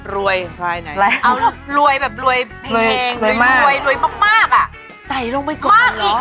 รวยแบบเลวแล้วทางแบบเพียงแพง